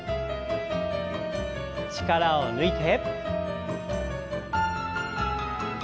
力を抜いて。